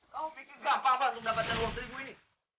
kamu pikir gampang apa untuk mendapatkan uang seribu ini